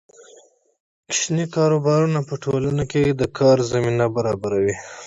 کوچني کاروبارونه په ټولنه کې د کار زمینه برابروي.